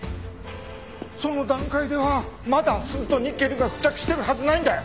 その段階ではまだスズとニッケルが付着してるはずないんだよ！